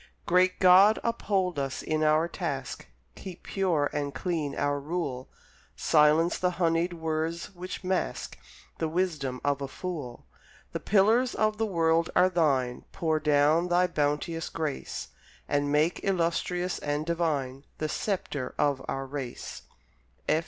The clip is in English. Great God, uphold us in our task, Keep pure and clean our rule, Silence the honeyed words which mask The wisdom of the fool; The pillars of the world are Thine, Pour down Thy bounteous grace, And make illustrious and divine The sceptre of our race.